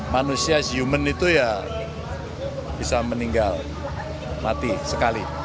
manusia human itu ya bisa meninggal mati sekali